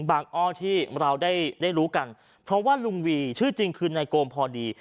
อ้อที่เราได้รู้กันเพราะว่าลุงวีชื่อจริงคือนายโกมพอดี